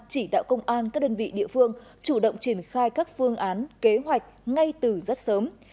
chỉ đạo công an các đơn vị địa phương chủ động triển khai các phương án kế hoạch ngay từ rất sớm